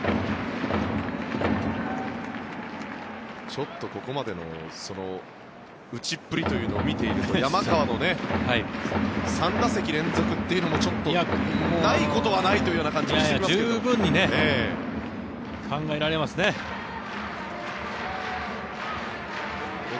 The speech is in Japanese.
ちょっとここまでの打ちっぷりというのを見ていると山川の３打席連続というのもないことはないというような気もしますけど。